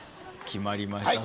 決まりました。